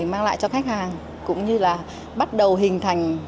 mang lại cho khách hàng cũng như là bắt đầu hình thành